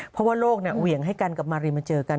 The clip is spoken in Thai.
เพราะว่าโลกเหวี่ยงให้กันกับมารีมาเจอกัน